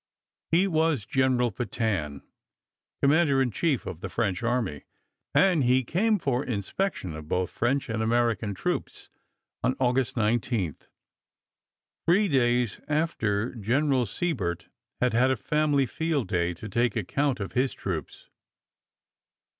He was General Petain, Commander in Chief of the French Army, and he came for inspection of both French and American troops on August 19, three days after General Sibert had had a family field day to take account of his troops.